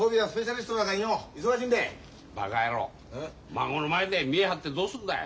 孫の前で見栄張ってどうすんだい。